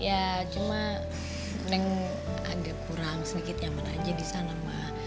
ya cuma neng agak kurang sedikit nyaman aja di sana ma